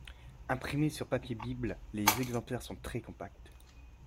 Imprimés sur papier bible, les exemplaires sont très compacts.